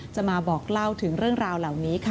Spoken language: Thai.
จะมาบอกเล่าถึงเรื่องราวเหล่านี้ค่ะ